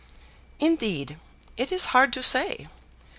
"Indeed, it is hard to say.